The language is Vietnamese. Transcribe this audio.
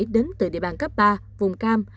đến từ địa bàn cấp ba vùng cam